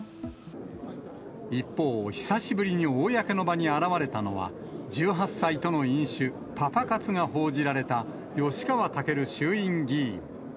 一方、久しぶりに公の場に現れたのは、１８歳との飲酒、パパ活が報じられた吉川赳衆院議員。